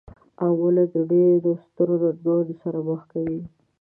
عام ولس د ډیرو سترو ننګونو سره مخ کوي.